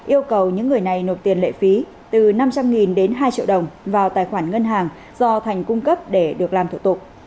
yêu cầu những người này nộp tiền lệ phí từ năm trăm linh đến hai triệu đồng vào tài khoản ngân hàng do thành cung cấp để được làm thủ tục